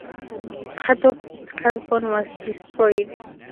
Part of its Kasbah was destroyed.